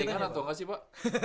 itu settingan atau gak sih pak